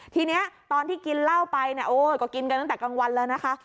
ทีนี้ตอนที่กินเหล้าไปเนี่ยโอ้ก็กินกันตั้งแต่กลางวันแล้วนะคะ